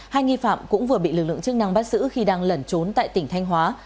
hai nghi phạm cũng vừa bị lực lượng chức năng bắt giữ khi đang lẩn trốn tại tỉnh thanh hóa